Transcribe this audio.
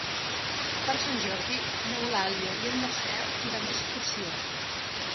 Per Sant Jordi n'Eulàlia i en Marcel iran d'excursió.